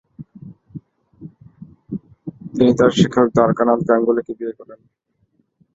তিনি তার শিক্ষক দ্বারকানাথ গাঙ্গুলীকে বিয়ে করেন।